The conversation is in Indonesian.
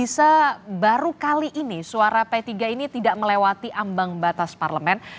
bisa baru kali ini suara p tiga ini tidak melewati ambang batas parlemen